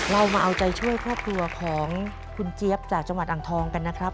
เรามาเอาใจช่วยครอบครัวของคุณเจี๊ยบจากจังหวัดอ่างทองกันนะครับ